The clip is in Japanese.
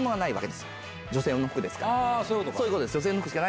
そういうことか。